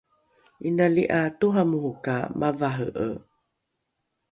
inali ’a toramoro ka mavare’e